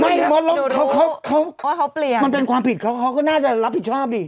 มดแล้วเขาเขาเปลี่ยนมันเป็นความผิดเขาเขาก็น่าจะรับผิดชอบดิ